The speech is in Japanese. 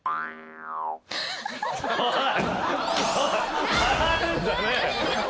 おい！